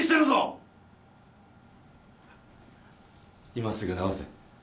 今すぐ治せ